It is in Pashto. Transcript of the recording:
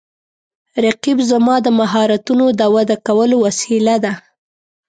رقیب زما د مهارتونو د وده کولو وسیله ده